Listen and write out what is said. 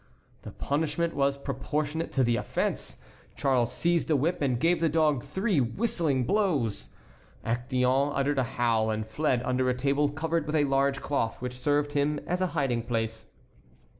The punishment was proportionate to the offence. Charles seized a whip and gave the dog three whistling blows. Actéon uttered a howl, and fled under a table covered with a large cloth which served him as a hiding place.